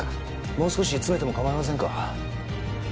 もう少し詰めても構いませんか？